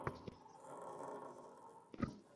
সে-ই সবকিছু বলবে!